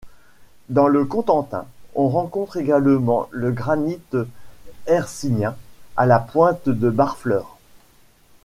Dans le Cotentin, on rencontre également le granite hercynien à la pointe de Barfleur.